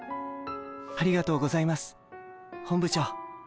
ありがとうございます本部長。